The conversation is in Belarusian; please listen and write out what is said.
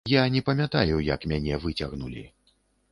Я не памятаю, як мяне выцягнулі.